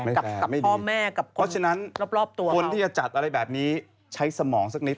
ไม่แฟร์ไม่ดีเพราะฉะนั้นคนที่จะจัดอะไรแบบนี้ใช้สมองสักนิด